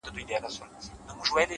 ستا خيال وفكر او يو څو خـــبـــري،